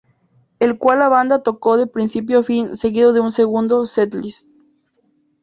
El cual la banda tocó de principio a fin seguido de un segundo setlist.